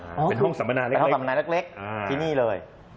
เป็นห้องสำนาณเล็กที่นี่เลย